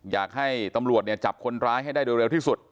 อยากให้ตำรวจจับคนร้ายให้ได้โดยเร็วที่สุด